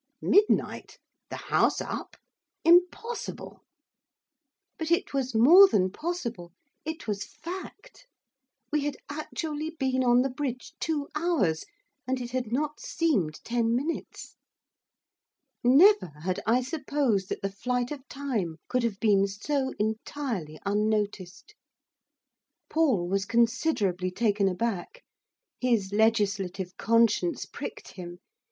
'Midnight! The House up! Impossible!' But it was more than possible, it was fact. We had actually been on the Bridge two hours, and it had not seemed ten minutes. Never had I supposed that the flight of time could have been so entirely unnoticed. Paul was considerably taken aback. His legislative conscience pricked him.